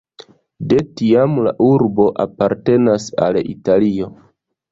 De tiam la urbo apartenas al Italio.